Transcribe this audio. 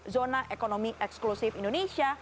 zona ekonomi eksklusif indonesia